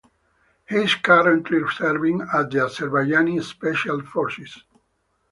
He is currently serving in the Azerbaijani Special Forces.